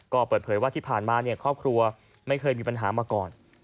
ก็เปิดเผยว่าที่ผ่านมาครอบครัวไม่เคยมีปัญหามาก่อน